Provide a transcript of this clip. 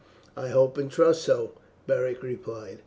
"I hope and trust so," Beric replied.